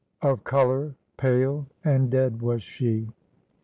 OF COLOUR PALE AND DEAD "WAS SHE.'